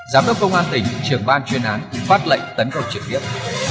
giám đốc công an tỉnh trưởng ban chuyên án phát lệnh tấn công trực tiếp